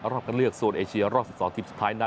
รอบการเลือกโซนเอเชียรอบ๑๒ทีมสุดท้ายนั้น